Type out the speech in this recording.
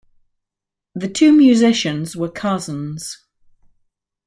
The two musicians were cousins.